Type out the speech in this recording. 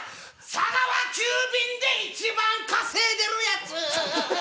「佐川急便で一番稼いでるヤツ」